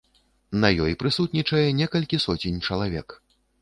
На ёй прысутнічае некалькі соцень чалавек.